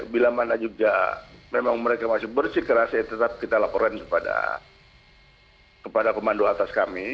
bila mana jogja memang mereka masih bersikeras tetap kita laporkan kepada komando atas kami